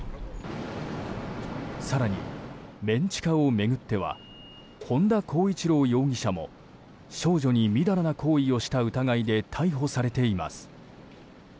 更に、メン地下を巡っては本田孝一朗容疑者も少女にみだらな行為をした疑いで逮捕されています。